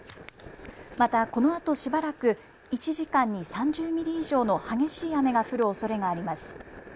またこのあとしばらく１時間に３０ミリ以上の激しい雨が降るおそれがあります。